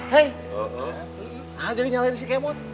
hei nah jadi nyalain si kemot